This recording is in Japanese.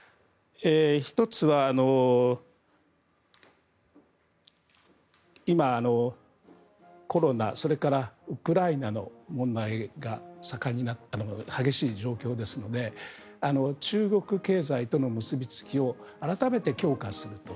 １つは今、コロナそれからウクライナの問題が激しい状況ですので中国経済との結びつきを改めて強化すると。